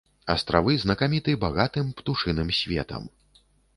Астравы знакаміты багатым птушыным светам.